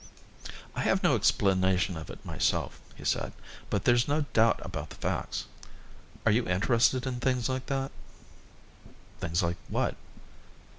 "I have no explanation of it myself," he said. "But there's no doubt about the facts. Are you interested in things like that?" "Things like what?"